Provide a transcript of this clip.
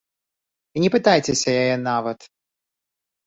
І не пытайцеся яе нават.